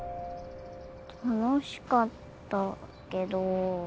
楽しかったけど。